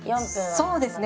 そうですね